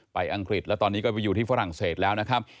อังกฤษแล้วตอนนี้ก็ไปอยู่ที่ฝรั่งเศสแล้วนะครับ